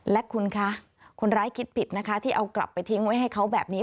และคุณคะคนร้ายคิดผิดนะคะที่เอากลับไปทิ้งไว้ให้เขาแบบนี้